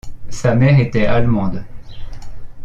Sa mère était allemande.